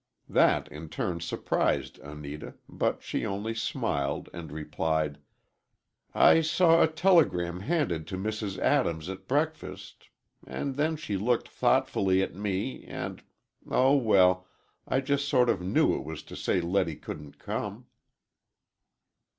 That, in turn, surprised Anita, but she only smiled, and replied, "I saw a telegram handed to Mrs. Adams at breakfast—and then she looked thoughtfully at me, and—oh, well, I just sort of knew it was to say Letty couldn't come."